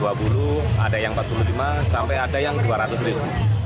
lalu ada yang rp empat puluh lima sampai ada yang rp dua ratus